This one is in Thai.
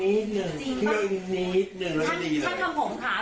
ไม่ใช่โปร่งเนื้อนะครับโปร่งปัญหา